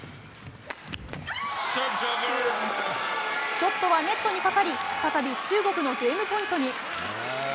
ショットはネットにかかり再び中国のゲームポイントに。